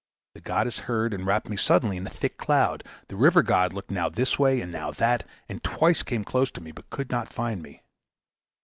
The goddess heard, and wrapped me suddenly in a thick cloud. The river god looked now this way and now that, and twice came close to me, but could not find me.